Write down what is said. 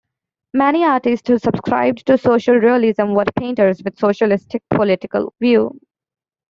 Many artists who subscribed to social realism were painters with socialist political views.